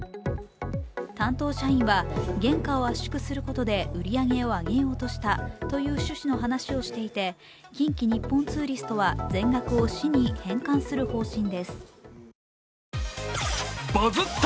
担当社員は、原価を圧縮することで売り上げを上げようとしたという趣旨の話をしていて、近畿日本ツーリストは全額を市に返還する方針です。